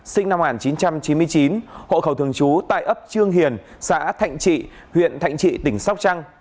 sinh năm một nghìn chín trăm chín mươi chín hộ khẩu thường trú tại ấp trương hiền xã thạnh trị huyện thạnh trị tỉnh sóc trăng